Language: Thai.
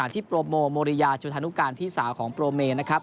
ที่โปรโมโมริยาจุธานุการพี่สาวของโปรเมนะครับ